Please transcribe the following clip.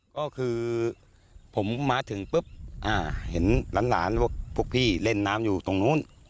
ก็คือผมมาถึงปุ๊บเห็นหลานพวกพี่เล่นน้ำอยู่ตรงนู้น